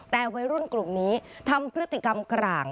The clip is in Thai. แต่วัยรุ่นกลุ่มนี้ทำพฤติกรรมกลาง